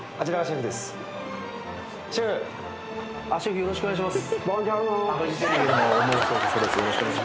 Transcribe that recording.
よろしくお願いします。